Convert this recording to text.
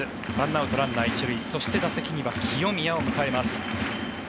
１アウト、ランナー１塁そして打席には清宮を迎えます。